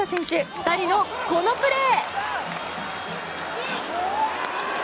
２人のこのプレー！